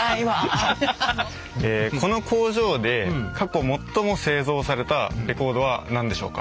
この工場で過去最も製造されたレコードは何でしょうか？